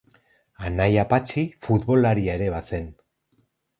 Anaia Patxi futbolaria ere bazen.